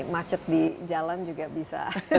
macet di jalan juga bisa